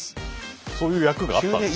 そういう役があったんですね。